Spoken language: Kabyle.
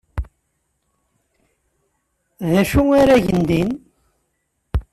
D acu ara gent din?